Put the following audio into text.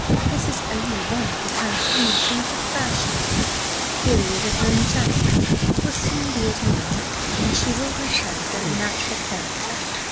This is only one of the transformations of fashion the period of her enchantment will soon be at an end, and she will return to her natural character.